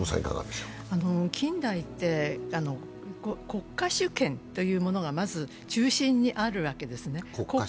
近代って、国家主権というものがまず中心にあるわけですね。